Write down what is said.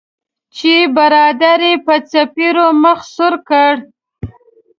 چې برادر یې په څپیړو مخ سور کړ.